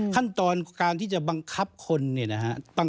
ขั้นตอนการที่จะบังคับคนเนี่ยนะฮะ